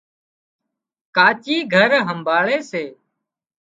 ڪاچِي گھر همڀاۯي سي